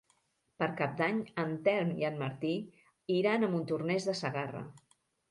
Per Cap d'Any en Telm i en Martí iran a Montornès de Segarra.